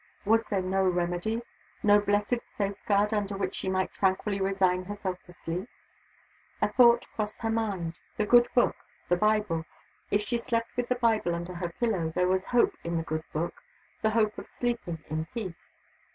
Was there no remedy? no blessed safeguard under which she might tranquilly resign herself to sleep? A thought crossed her mind. The good book the Bible. If she slept with the Bible under her pillow, there was hope in the good book the hope of sleeping in peace.